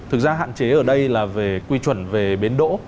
thực ra hạn chế ở đây là về quy chuẩn về biến đỗ